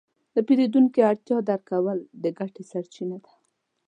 د پیرودونکي اړتیا درک کول د ګټې سرچینه ده.